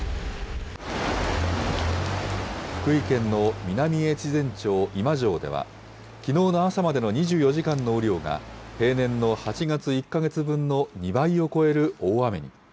福井県の南越前町今庄では、きのうの朝までの２４時間の雨量が、平年の８月１か月分の２倍を超える大雨に。